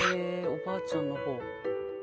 おばあちゃんの方。